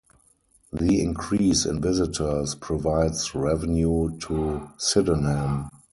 The increase in visitors provides revenue to Sydenham.